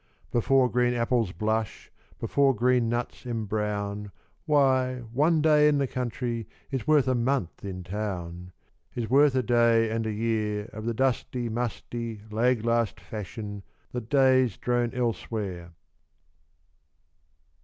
Before green apples blush, Before green nuts embrown, Why, one day in the country Is worth a month in town; Is worth a day and a year Of the dusty, musty, lag last fashion That days drone elsewhere.